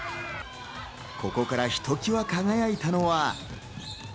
ここからひときわ輝いたのは。